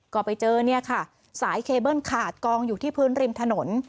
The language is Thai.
ก็ไปเจอสายเคเบิลขาดกองอยู่ที่พื้นริมถนน